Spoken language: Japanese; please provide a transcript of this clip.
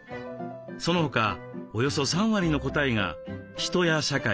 その他およそ３割の答えが人や社会